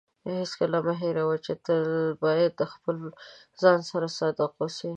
هیڅکله مه هېروئ چې تل باید د خپل ځان سره صادق اوسئ.